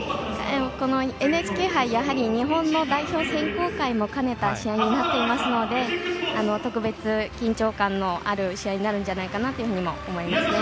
ＮＨＫ杯、やはり日本の代表選考会も兼ねた試合になっていますので特別緊張感のある試合になるんじゃないかなというふうに思いますね。